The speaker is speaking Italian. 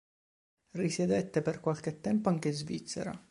Risiedette per qualche tempo anche in Svizzera.